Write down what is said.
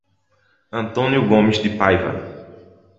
Antônio Gomes de Paiva